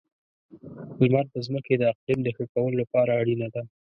• لمر د ځمکې د اقلیم د ښه کولو لپاره اړینه ده.